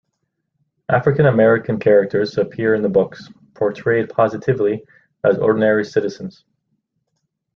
African-American characters appear in the books, portrayed positively as ordinary citizens.